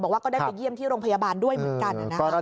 บอกว่าก็ได้ไปเยี่ยมที่โรงพยาบาลด้วยเหมือนกัน